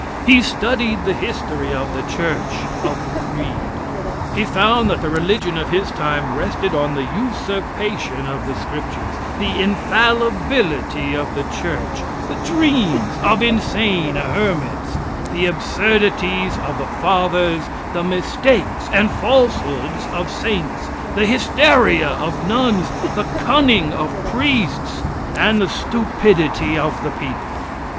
He studied the history of the church of the creed. He found that the religion of his time rested on the usurpation of the scriptures the infallibility of the church the dreams of insane hermits the absurdities of the fathers the mistakes and falsehoods of saints the hysteria of nuns the cunning of priests and the stupidity of the people.